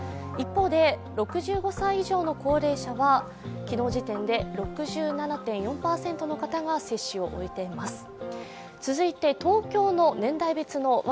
一方で６５歳以上の高齢者は昨日時点で６７．４％の方が接種を終えています。